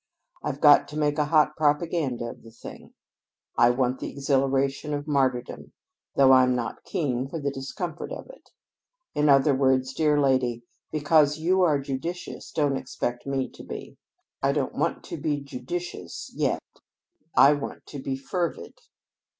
I've got to make a hot propaganda of the thing. I want the exhilaration of martyrdom though I'm not keen for the discomforts of it. In other words, dear lady, because you are judicious, don't expect me to be. I don't want to be judicious yet. I want to be fervid."